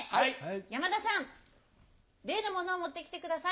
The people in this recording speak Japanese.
山田さん例のものを持って来てください。